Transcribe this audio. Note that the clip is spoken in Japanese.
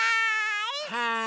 はい。